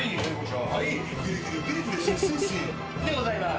でございます。